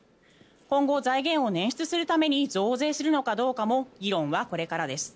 今後財源を捻出するために増税するのかどうかも議論はこれからです。